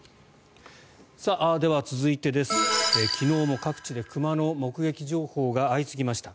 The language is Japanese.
では、続いて昨日も各地で熊の目撃情報が相次ぎました。